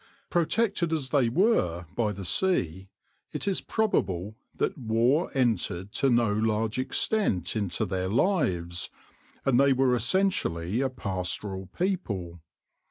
Protected as they were by the sea, it is probable that war entered to no large extent into their lives, and they were essentially a pastoral people.